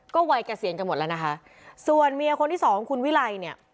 ก็วัยเกษียณกันหมดแล้วนะคะส่วนเมียคนที่สองคุณวิไลเนี่ย